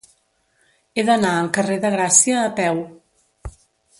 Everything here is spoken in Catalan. He d'anar al carrer de Gràcia a peu.